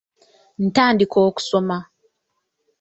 Ntandika okusoma.